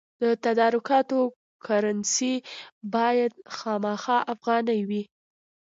د تدارکاتو کرنسي باید خامخا افغانۍ وي.